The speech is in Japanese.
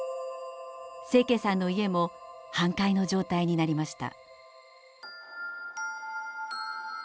清家さんの家も半壊の状態になりました。